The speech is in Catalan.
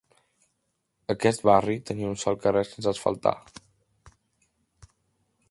Aquest barri tenia un sol carrer sense asfaltar.